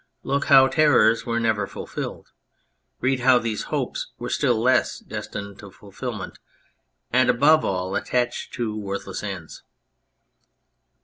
Look how terrors were never fulfilled, read how these hopes were still less destined to fulfilment, and, above all, attached to worthless ends.